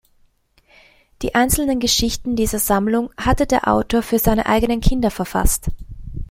Die einzelnen Geschichten dieser Sammlung hatte der Autor für seine eigenen Kinder verfasst.